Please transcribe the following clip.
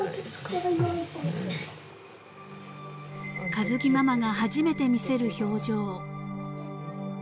［佳月ママが初めて見せる表情］